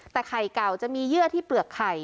แต่ไข่เก่าจะมีเยื่อที่เปลือกไข่